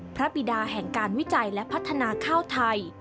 บิดาแห่งการวิจัยและพัฒนาข้าวไทย